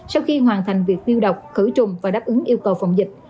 sau khi hoàn thành việc tiêu độc khử trùng và đáp ứng yêu cầu phòng dịch